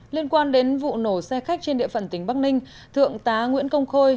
liên quan đến vụ nổ xe khách trên địa phận tỉnh bắc ninh thượng tá nguyễn công khôi